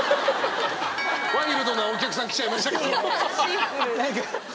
ワイルドなお客さん来ちゃいました。